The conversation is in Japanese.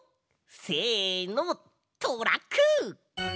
せのトラック！